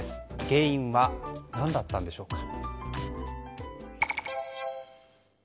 原因は何だったんでしょうか。